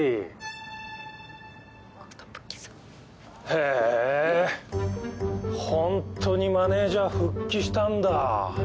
へぇホントにマネジャー復帰したんだ。